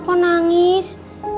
kenapa kau nangis